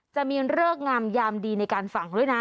จะมีเลิกงามยามดีในการฝังด้วยนะ